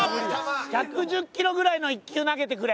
１１０キロぐらいの１球投げてくれ。